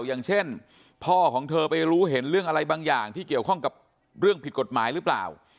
อย่างเช่นพ่อของเธอไปรู้เห็นเรื่องอะไรบางอย่างที่เกี่ยวข้องกับเรื่องผิดกฎหมายหรือเปล่า